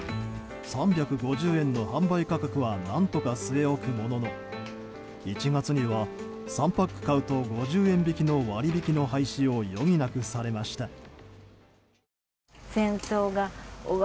３５０円の販売価格は何とか据え置くものの１月には３パック買うと５０円引きの割引の廃止を余儀なくされました。